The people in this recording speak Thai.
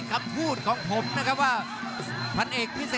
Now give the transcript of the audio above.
รับทราบบรรดาศักดิ์